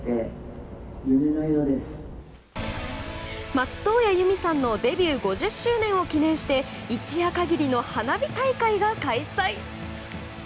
松任谷由実さんのデビュー５０周年を記念して一夜限りの花火大会が開催。